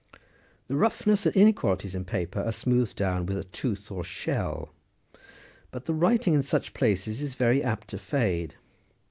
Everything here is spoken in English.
The roughness and inequalities in paper are smoothed down with a tooth26 or shell ; but the writing in such places is very apt to fade.